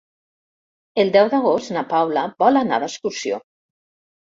El deu d'agost na Paula vol anar d'excursió.